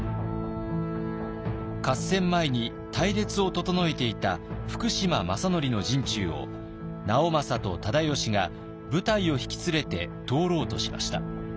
合戦前に隊列を整えていた福島正則の陣中を直政と忠吉が部隊を引き連れて通ろうとしました。